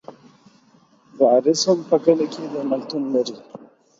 زه قمر په کلي کی درملتون لرم